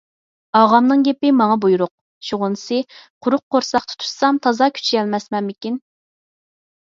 ئاغامنىڭ گېپى ماڭا بۇيرۇق. شۇغىنىسى، قۇرۇق قورساق تۇتۇشسام تازا كۈچىيەلمەسمەنمىكىن.